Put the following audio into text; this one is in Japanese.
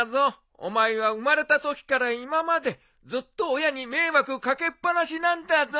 お前は生れまたときから今までずっと親に迷惑掛けっぱなしなんだぞ。